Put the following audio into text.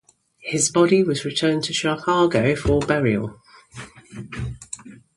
His body was returned to Chicago for burial.